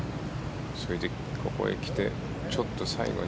それで、ここへ来てちょっと最後に。